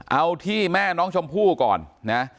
เอาที่แม่น้องชมพู่ก่อนนะ